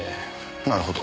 なるほど。